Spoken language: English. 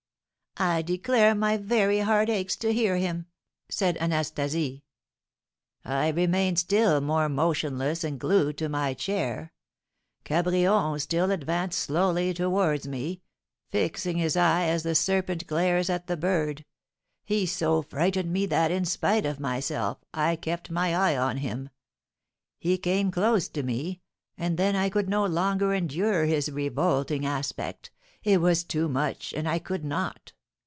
"I declare, my very heart aches to hear him," said Anastasie. "I remained still more motionless, and glued to my chair; Cabrion still advanced slowly towards me, fixing his eye as the serpent glares at the bird; he so frightened me that, in spite of myself, I kept my eye on him; he came close to me, and then I could no longer endure his revolting aspect, it was too much, and I could not.